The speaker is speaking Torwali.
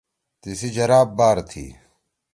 تیِسی جراب بار تھی